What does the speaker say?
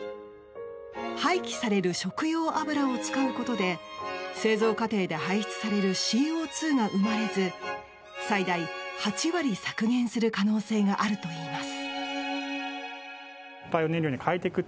廃棄される食用油を使うことで製造過程で排出されるＣＯ２が生まれず最大８割削減する可能性があるといいます。